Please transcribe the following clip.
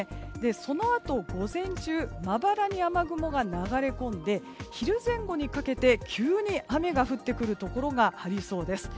そのあと、午前中まばらに雨雲が流れ込んで昼前後にかけて急に雨が降ってくるところがありそうです。